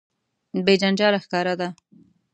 بې جنجاله ښکاره ده.